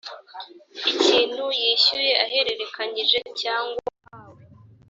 ikintu yishyuye ahererekanyije cyangwa ahawe